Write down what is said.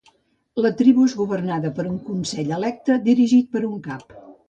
La tribu és governada per un consell electe, dirigit per un cap.